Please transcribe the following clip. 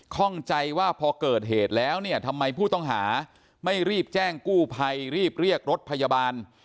ข้องใจว่าพอเกิดเหตุแล้วเนี่ยทำไมผู้ต้องหาไม่รีบแจ้งกู้ภัยรีบเรียกรถพยาบาล